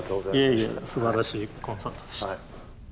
いえいえすばらしいコンサートでした。